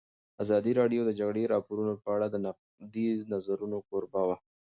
ازادي راډیو د د جګړې راپورونه په اړه د نقدي نظرونو کوربه وه.